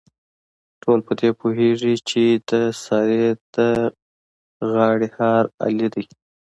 ټول په دې پوهېږي، چې د سارې د غاړې هار علي دی.